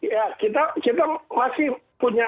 ya kita masih punya